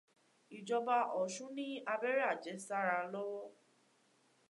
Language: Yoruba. Ìjọba Ọ̀sun ní abẹ́rẹ́ àjẹsára lọ́wọ́.